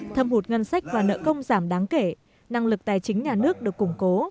thâm hụt ngân sách và nợ công giảm đáng kể năng lực tài chính nhà nước được củng cố